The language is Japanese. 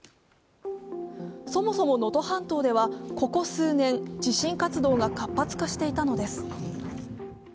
そもそも能登半島ではここ数年地震活動が活発化していたのです。